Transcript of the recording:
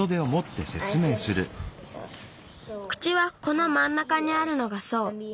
口はこのまんなかにあるのがそう。